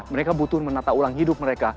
mereka butuh menata ulang hidup mereka